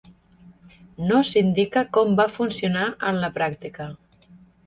No s'indica com va funcionar en la pràctica.